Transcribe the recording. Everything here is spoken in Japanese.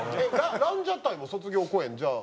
ランジャタイも卒業公演じゃあ。